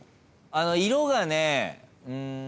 あの色がねうん。